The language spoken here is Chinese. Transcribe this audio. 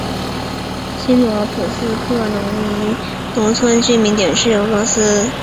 新罗普斯克农村居民点是俄罗斯联邦布良斯克州克利莫沃区所属的一个农村居民点。